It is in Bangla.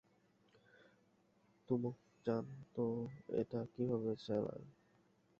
তুমক জান তো এটা কিভাবে চালায়?